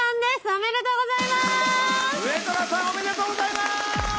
おめでとうございます！